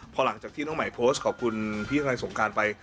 พอหลังจากที่น้องใหม่โพสต์ขอบคุณพี่ทนายสงการไป